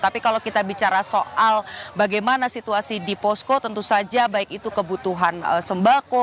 tapi kalau kita bicara soal bagaimana situasi di posko tentu saja baik itu kebutuhan sembako